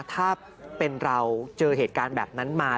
ถ้าเป็นเราเจอเหตุการณ์แบบนั้นมา